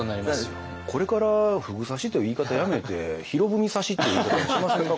これから「ふぐ刺し」という言い方やめて「博文刺し」っていう言い方にしませんか？